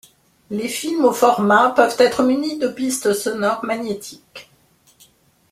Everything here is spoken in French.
Les films au format peuvent être munis de pistes sonores magnétiques.